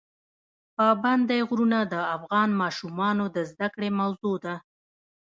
پابندی غرونه د افغان ماشومانو د زده کړې موضوع ده.